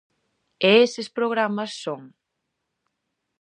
E eses programas son.